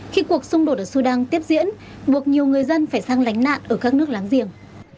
khi cuộc xung đột ở sudan tiếp diễn buộc nhiều người dân phải sang lánh nạn ở các nước láng giềng